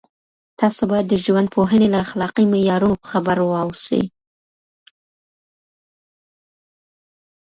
تاسو باید د ژوندپوهنې له اخلاقي معیارونو خبر اوسئ.